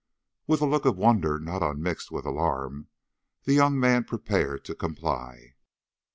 With a look of wonder not unmixed with alarm, the young man prepared to comply.